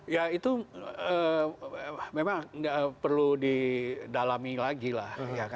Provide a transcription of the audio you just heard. ya itu memang perlu didalami lagi lah